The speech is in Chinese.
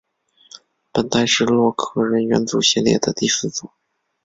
本代是洛克人元祖系列的第四作。